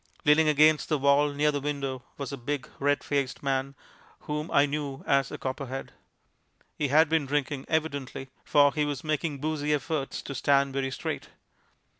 Leaning against the wall near the window was a big, red faced man, whom I knew as a Copperhead. He had been drinking, evidently, for he was making boozy efforts to stand very straight.